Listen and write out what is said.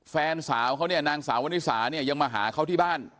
แฟนสาวเขาเนี่ยนางสาววนิสาเนี่ยยังมาหาเขาที่บ้าน